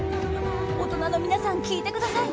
大人の皆さん聞いてください！